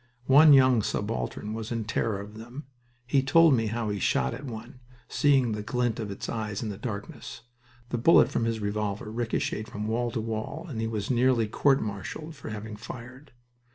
One young subaltern was in terror of them. He told me how he shot at one, seeing the glint of its eyes in the darkness. The bullet from his revolver ricocheted from wall to wall, and he was nearly court martialed for having fired.